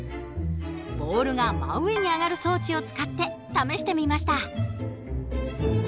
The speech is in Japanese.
ボールが真上に上がる装置を使って試してみました。